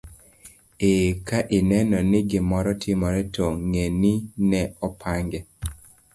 Ee, ka ineno ka gimoro timore to ng'e ni ne opange.